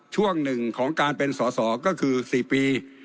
ช่วงหนึ่งของการเป็นสอสอก็คือ๔ปี